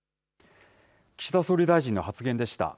岸田総理大臣の発言でした。